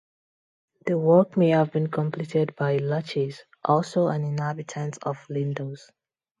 The work may have been completed by Laches, also an inhabitant of Lindos.